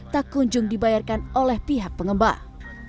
tak kunjung dibayarkan oleh pihak pengembang